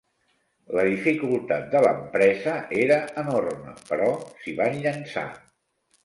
La dificultat de l'empresa era enorme, però s'hi van llançar.